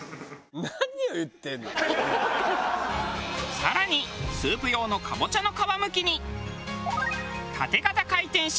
更にスープ用のカボチャの皮むきに。